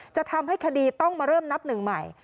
จะทำให้คดีต้องมาเริ่มนับหนึ่งใหม่